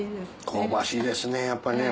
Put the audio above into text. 香ばしいですねやっぱね。